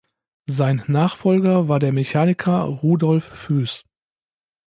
Sein Nachfolger war der Mechaniker Rudolf Fuess.